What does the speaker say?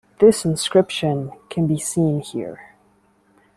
This inscription can be seen here.